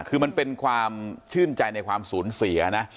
คือมันเป็นความชื่นใจในความสูญเสียนะ